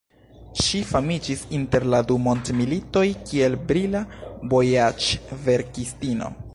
Ŝi famiĝis inter la du mondmilitoj kiel brila vojaĝverkistino.